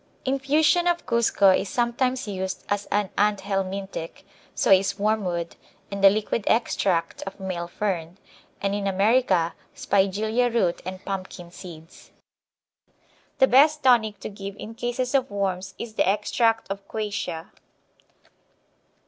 Infusion of cusco is sometimes used as an anthelmintic, so is wormwood, and the liquid extract of male fern, and in America spigelia root and pumpkin seeds. The best tonic to give in cases of worms is the extract of quassia.